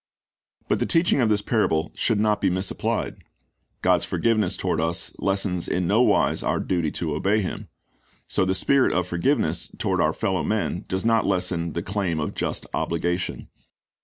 But the teaching of this parable should not be misapplied. God's forgiveness toward us lessens in no wise our duty to obey Him. So the spirit of forgiveness toward our fellow men does not lessen the claim of just obligation.